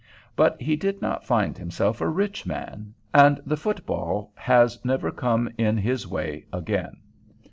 But he did not find himself a rich man; and the football has never come in his way again.